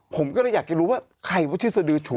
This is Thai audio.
ผมก็เลยอยากจะรู้ว่าใครว่าชื่อสดือฉู